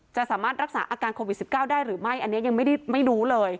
จะสามารถรักษาอาการโควิด๑๙ได้หรือไม่อันนี้ยังไม่รู้เลย